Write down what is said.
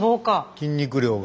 筋肉量が。